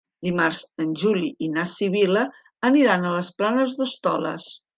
Dimarts en Juli i na Sibil·la aniran a les Planes d'Hostoles.